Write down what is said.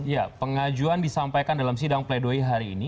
ya pengajuan disampaikan dalam sidang pledoi hari ini